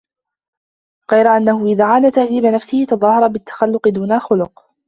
غَيْرَ أَنَّهُ إذَا عَانَى تَهْذِيبَ نَفْسِهِ تَظَاهَرَ بِالتَّخَلُّقِ دُونَ الْخُلُقِ